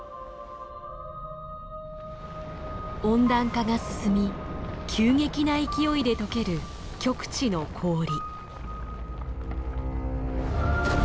温暖化が進み急激な勢いでとける極地の氷。